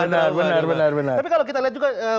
benar benar benar tapi kalau kita lihat juga